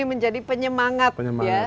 ini menjadi penyemangat ya